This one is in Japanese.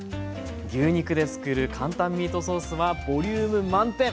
牛肉で作る簡単ミートソースはボリューム満点！